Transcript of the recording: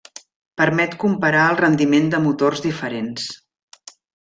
Permet comparar el rendiment de motors diferents.